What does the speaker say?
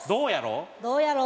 どうやろ？